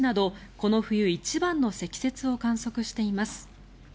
この冬一番の積雪を観測しています。